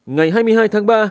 ngày hai mươi hai tháng ba